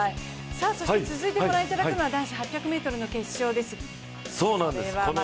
続いて御覧いただくのは男子８００ｍの決勝です。